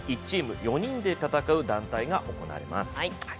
１チーム４人で戦う団体が行われます。